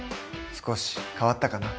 少し変わったかな？